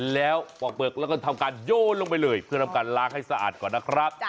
แล้วปอกเปลือกแล้วก็ทำการโยนลงไปเลยเพื่อทำการล้างให้สะอาดก่อนนะครับ